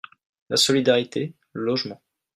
la solidarité, le logement.